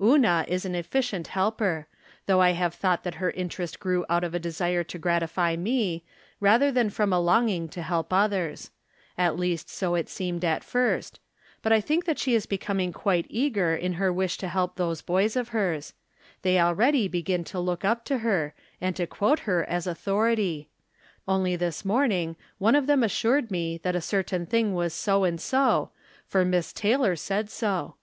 Una is an efficient helper, though I have thought that her interest grew out of a deske to gratify me, rather than from a longing to help others. At least so it seemed at first ; but I think that she is becoming quite eager in her wish to help those boys of hers. They already begin to look 154 From Different Standpoints. 155 up to her, and to quote her as authority. Only this morning one of them assured me that a cer tain thing was so and sq — ^for Miss Taylor said so.